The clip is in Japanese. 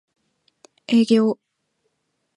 営業